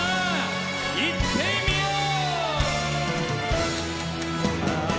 いってみよう！